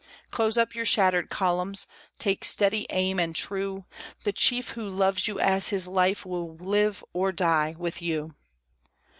Close up your shattered columns, take steady aim and true, The chief who loves you as his life will live or die with you!